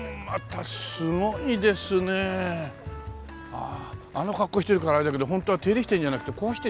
あああの格好してるからあれだけど本当は手入れしてるんじゃなくて壊してるんじゃない？